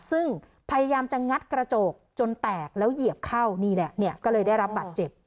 ซึ่งพยายามจะงัดกระจกจนแตกแล้วเหยียบเข้านี่แหละเนี่ยก็เลยได้รับบัตรเจ็บ